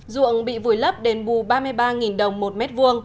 ruộng bị vùi lấp đền bù ba mươi ba đồng một m hai